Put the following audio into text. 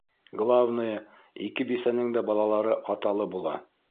Главное, ике бисәнең дә балалары аталы була!